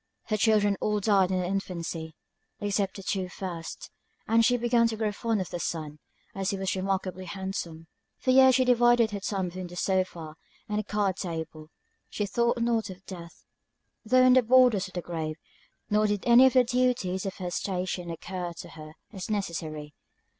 Her children all died in their infancy, except the two first, and she began to grow fond of the son, as he was remarkably handsome. For years she divided her time between the sofa, and the card table. She thought not of death, though on the borders of the grave; nor did any of the duties of her station occur to her as necessary.